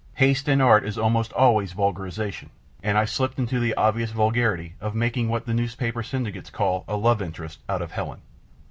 Haste in art is almost always vulgarisation, and I slipped into the obvious vulgarity of making what the newspaper syndicates call a "love interest" out of Helen.